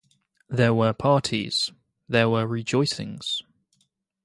There were parties, there were rejoicings.